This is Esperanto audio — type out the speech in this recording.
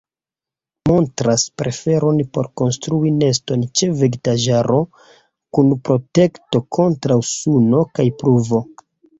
Montras preferon por konstrui neston ĉe vegetaĵaro, kun protekto kontraŭ suno kaj pluvo.